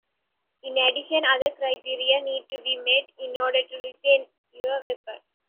In addition, other criteria need to be met in order to retain your weapon.